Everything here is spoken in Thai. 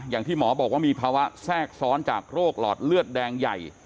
อย่างที่หมอบอกว่ามีภาวะแทรกซ้อนจากโรคหลอดเลือดแดงใหญ่